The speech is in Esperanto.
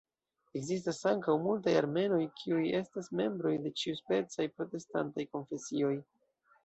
Ekzistas ankaŭ multaj armenoj kiuj estas membroj de ĉiuspecaj protestantaj konfesioj.